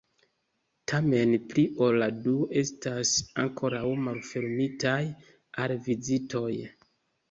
Tamen, pli ol la duono estas ankoraŭ malfermitaj al vizitoj.